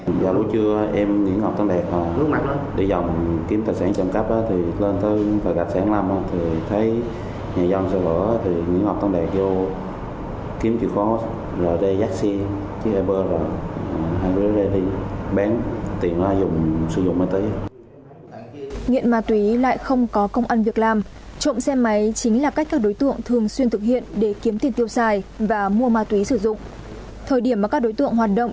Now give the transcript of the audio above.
nguyễn trọng huy nguyễn trọng huy nguyễn trọng huy nguyễn trọng huy nguyễn trọng huy nguyễn trọng huy nguyễn trọng huy nguyễn trọng huy nguyễn trọng huy nguyễn trọng huy nguyễn trọng huy nguyễn trọng huy nguyễn trọng huy nguyễn trọng huy nguyễn trọng huy nguyễn trọng huy nguyễn trọng huy nguyễn trọng huy nguyễn trọng huy nguyễn trọng huy nguyễn trọng huy nguyễn trọng huy n